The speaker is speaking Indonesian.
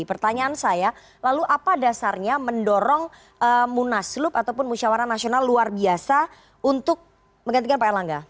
pertanyaan saya lalu apa dasarnya mendorong munaslup ataupun musyawara nasional luar biasa untuk menggantikan pak erlangga